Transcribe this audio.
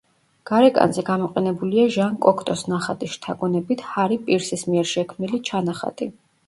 გარეკანზე გამოყენებულია ჟან კოქტოს ნახატის შთაგონებით ჰარი პირსის მიერ შექმნილი ჩანახატი.